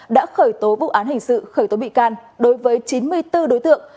đã khởi tố vụ án hình sự khởi tố bị can đối với chín mươi bốn đối tượng